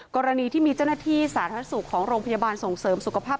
กรณีที่มีเจ้าหน้าที่สาธารณสุขของโรงพยาบาลส่งเสริมสุขภาพ